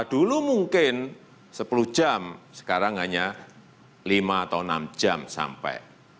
dulu mungkin sepuluh jam sekarang hanya lima atau enam jam sampai